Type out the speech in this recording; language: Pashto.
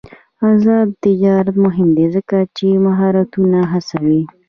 آزاد تجارت مهم دی ځکه چې مهارتونه هڅوي.